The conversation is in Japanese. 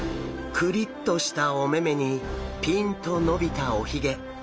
クリッとしたお目々にピンと伸びたおヒゲ。